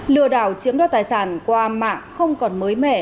lừa đảo chiếm đo tài sản qua mạng không còn mới mẻ